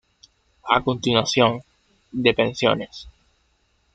A continuación, de pensiones.